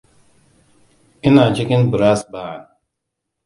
Ina cikin brass band.